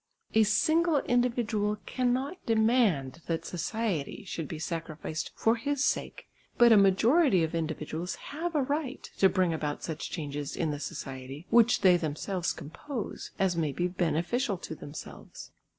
A single individual cannot demand that society should be sacrificed for his sake, but a majority of individuals have a right to bring about such changes in the society, which they themselves compose, as may be beneficial to themselves.